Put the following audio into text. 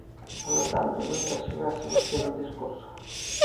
Polo tanto, non terxiverse vostede o discurso.